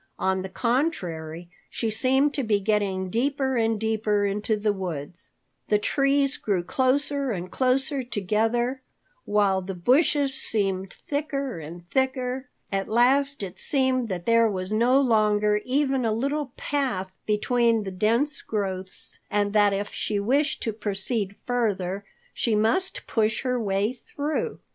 On the contrary, she seemed to be getting deeper and deeper into the woods. The trees grew closer and closer together, while the bushes seemed thicker and thicker. At last it seemed that there was no longer even a little path between the dense growths and that if she wished to proceed further, she must push her way through.